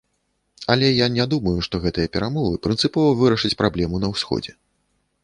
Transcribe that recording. Але я не думаю, што гэтыя перамовы прынцыпова вырашаць праблему на ўсходзе.